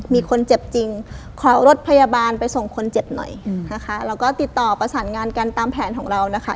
มีคนเจ็บจริงขอรถพยาบาลไปส่งคนเจ็บหน่อยนะคะแล้วก็ติดต่อประสานงานกันตามแผนของเรานะคะ